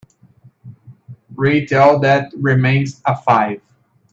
Rate All That Remains a five